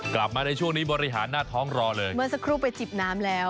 กลับมาในช่วงนี้บริหารหน้าท้องรอเลยเมื่อสักครู่ไปจิบน้ำแล้ว